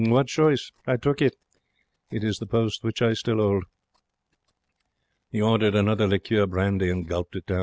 What choice? I took it. It is the post which I still 'old.' He ordered another liqueur brandy and gulped it down.